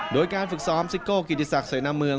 โดยการฝึกซ้อมซิโก้กิติศักดิเสนาเมือง